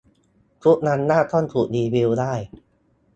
ทุกอำนาจต้องถูกรีวิวได้